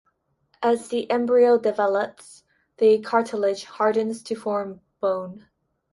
As the embryo develops, the cartilage hardens to form bone.